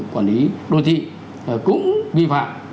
quản lý đô thị cũng vi phạm